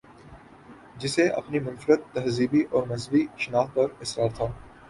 جسے اپنی منفردتہذیبی اورمذہبی شناخت پر اصرار تھا۔